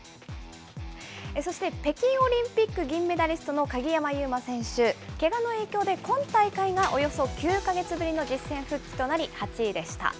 そして北京オリンピック銀メダリストの鍵山優真選手、けがの影響で今大会がおよそ９か月ぶりの実戦復帰となり、８位でした。